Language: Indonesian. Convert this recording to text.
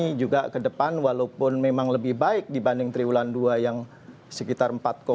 ini juga ke depan walaupun memang lebih baik dibanding triwulan dua yang sekitar empat tujuh